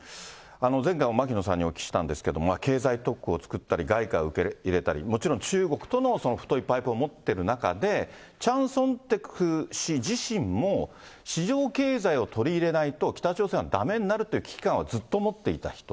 前回も牧野さんにお聞きしたんですけど、経済特区を作ったり、外貨を入れたり、もちろん中国との太いパイプを持ってる中で、チャン・ソンテク氏自身も市場経済を取り入れないと北朝鮮はだめになるという危機感をずっと持っていた人。